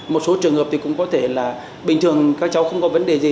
một số trường hợp thì cũng có thể là bình thường các cháu không có vấn đề gì